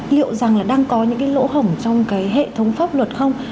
liệu rằng là đang có những lỗ hỏng trong hệ thống pháp luật không